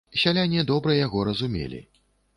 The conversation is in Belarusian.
Сяляне добра яго разумелі.